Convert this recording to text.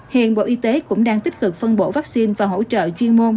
hiện bộ y tế cũng đang tích cực phân bổ vaccine và hỗ trợ chuyên môn